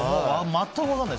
全く分からない。